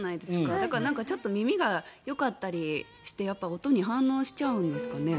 だから、耳がよかったりしてやっぱり音に反応しちゃうんですかね。